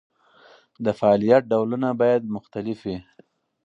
د فعالیت ډولونه باید مختلف وي.